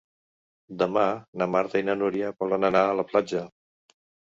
Demà na Marta i na Nura volen anar a la platja.